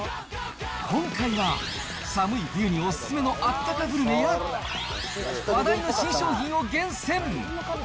今回は、寒い冬におすすめのあったかグルメや、話題の新商品を厳選。